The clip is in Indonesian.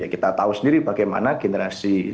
kita tahu sendiri bagaimana generasi